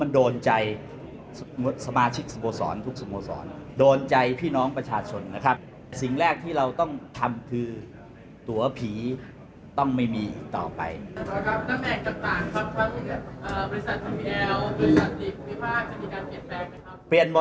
ด้วยนะครับครับ